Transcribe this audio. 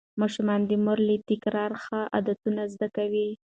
ماشوم د مور له تکرار ښه عادتونه زده کوي.